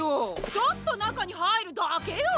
ちょっとなかにはいるだけよ！